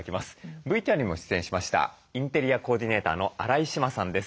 ＶＴＲにも出演しましたインテリアコーディネーターの荒井詩万さんです。